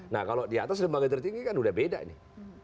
nah kalau di atas lembaga tertinggi kan udah beda nih